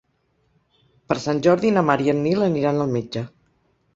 Per Sant Jordi na Mar i en Nil aniran al metge.